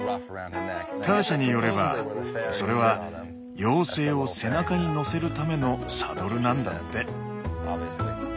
ターシャによればそれは妖精を背中に乗せるためのサドルなんだって。